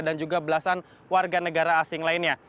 dan juga belasan warga negara asing lainnya